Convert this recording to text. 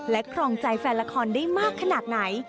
ครองใจแฟนละครได้มากขนาดไหน